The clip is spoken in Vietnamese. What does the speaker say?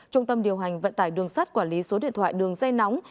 trung tâm điều hành vận tải đường sắt quản lý số điện thoại đường dây nóng